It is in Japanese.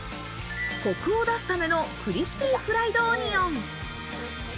コクを出すためのクリスピーフライドオニオン。